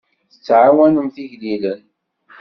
Tettɛawanemt igellilen.